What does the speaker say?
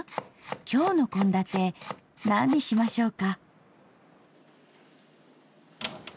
今日の献立何にしましょうか？